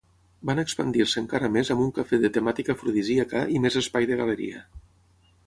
Van expandir-se encara més amb un cafè de temàtica afrodisíaca i més espai de galeria.